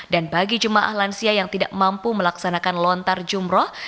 dan bagi jemaah lansia yang tidak mampu melaksanakan lontar jumroh